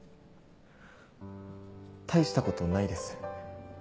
大したことないです。